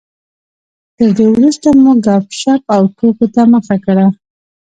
تر دې وروسته مو ګپ شپ او ټوکو ته مخه کړه.